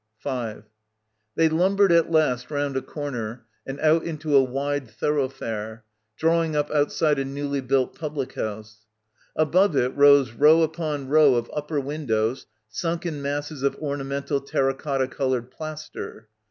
5 They lumbered at last round a corner and out into a wide thoroughfare, drawing up outside a newly built publieJiouse. Above it rose row — 18 — BACKWATER upon row of upper windows sunk in masses of ornamental terra cotta coloured plaster.